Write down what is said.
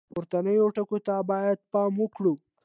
پورتنیو ټکو ته باید پام وکړو.